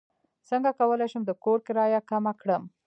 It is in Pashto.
څنګه کولی شم د کور کرایه کمه کړم